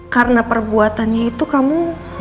karena perbuatannya itu kamu